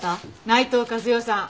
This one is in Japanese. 内藤和代さん。